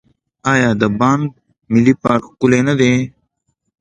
آیا د بانف ملي پارک ښکلی نه دی؟